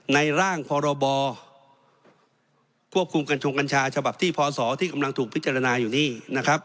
ร่างพรบควบคุมกัญชงกัญชาฉบับที่พศที่กำลังถูกพิจารณาอยู่นี่นะครับ